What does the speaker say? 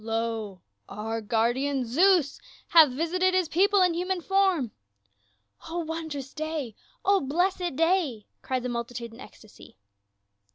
Lo, our guardian Zeus hath visited his people in human form !" "O wondrous day! O blessed day!" cried the multitude in ecstacy.